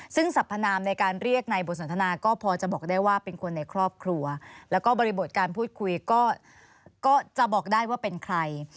ซึ่งสัพพนามในการเรียกในบทสนทนาก็พอจะบอกได้ว่าเป็นคนในครอบครัวแล้วก็บริบทการพูดคุยก็จะบอกได้ว่าเป็นใคร